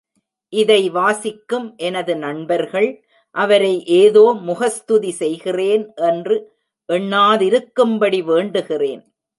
இதை வாசிக்கும் எனது நண்பர்கள், அவரை ஏதோ முகஸ்துதி செய்கிறேன் என்று எண்ணாதிருக்கும்படி வேண்டுகிறேன்.